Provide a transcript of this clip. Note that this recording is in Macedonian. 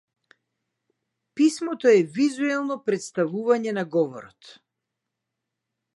Писмото е визуелно претставување на говорот.